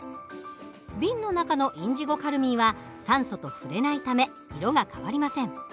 瓶の中のインジゴカルミンは酸素と触れないため色が変わりません。